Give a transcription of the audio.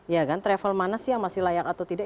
ya kan travel mana sih yang masih layak atau tidak